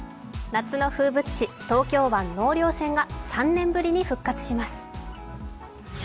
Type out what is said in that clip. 夏の風物詩、東京湾納涼船が３年ぶりに復活します。